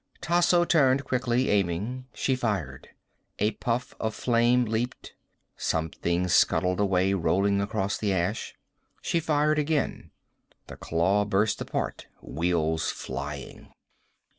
Tasso turned quickly, aiming. She fired. A puff of flame leaped. Something scuttled away, rolling across the ash. She fired again. The claw burst apart, wheels flying.